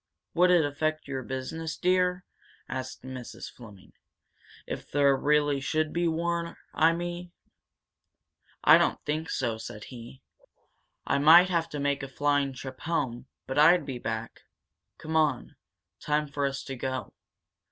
"Would it affect your business, dear?" asked Mrs. Fleming. "If there really should be war, I mean?" "I don't think so," said he. "I might have to make a flying trip home, but I'd be back. Come on time for us to go.